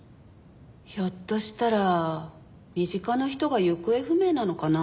ひょっとしたら身近な人が行方不明なのかなって。